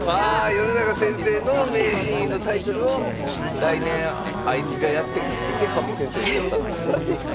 米長先生の名人位のタイトルを来年あいつがやって来るっていって羽生先生が取ったんですよね？